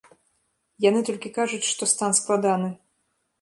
Яны толькі кажуць, што стан складаны.